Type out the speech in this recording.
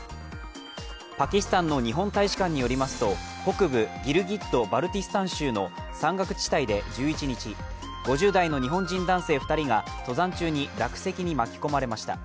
パキスタンの日本大使館によりますと北部ギルギット・バルティスタン州の山岳地帯で１１日、５０代の日本人男性２人が登山中に落石に巻き込まれました。